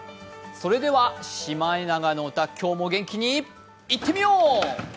それでは「シマエナガの歌」今日も元気にいってみよう。